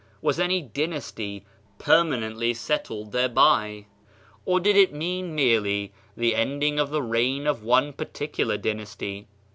Was any dynasty permanently settled thereby? or did it mean merely the ending of the reign of one particular dynasty?